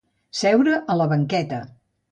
Seure a la banqueta.